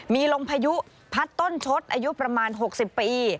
มีลมพายุพัดต้นชดอายุประมาณ๖๐ปี